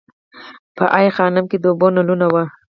په ای خانم کې د اوبو نلونه وو